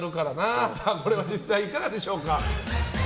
これは実際いかがでしょうか？